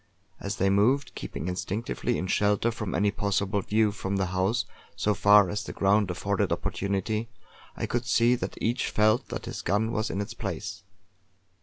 As they moved, keeping instinctively in shelter from any possible view from the house so far as the ground afforded opportunity, I could see that each felt that his gun was in its place.